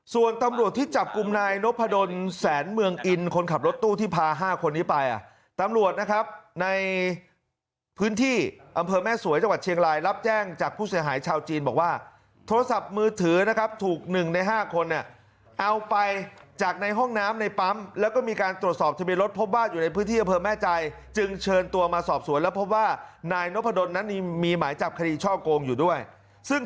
ส่วนตำรวจที่จับกลุ่มนายนพดลแสนเมืองอินคนขับรถตู้ที่พาห้าคนนี้ไปตำรวจนะครับในพื้นที่อำเภอแม่สวยจังหวัดเชียงรายรับแจ้งจากผู้เสียหายชาวจีนบอกว่าโทรศัพท์มือถือนะครับถูกหนึ่งในห้าคนเนี่ยเอาไปจากในห้องน้ำในปั๊มแล้วก็มีการตรวจสอบที่มีรถพบบ้านอยู่ในพื้นที่อำเภอแม่